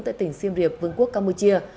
tại tỉnh xiêm điệp vương quốc campuchia